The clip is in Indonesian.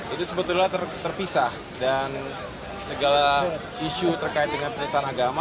itu sebetulnya terpisah dan segala isu terkait dengan penyelesaian agama